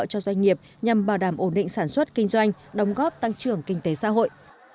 cho doanh nghiệp nhằm bảo đảm ổn định sản xuất kinh doanh đóng góp tăng trưởng kinh tế xã hội